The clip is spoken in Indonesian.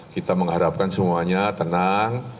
kita mengharapkan semuanya tenang